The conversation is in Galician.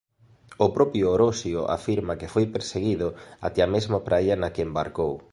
O propio Orosio afirma que foi perseguido ata a mesma praia na que embarcou.